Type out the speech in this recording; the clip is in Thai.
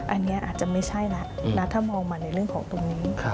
อันนี้อาจจะไม่ใช่แล้วแล้วถ้ามองมาในเรื่องของตรงนี้